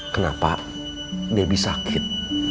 kenapa debbie sakit